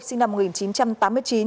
sinh năm một nghìn chín trăm tám mươi chín